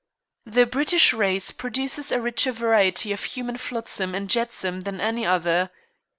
The British race produces a richer variety of human flotsam and jetsam than any other.